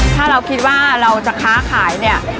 ถ้าเราคิดว่าเราจะค้าขายเนี่ย